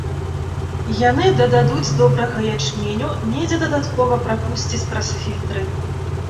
Яны дададуць добрага ячменю, недзе дадаткова прапусцяць праз фільтры.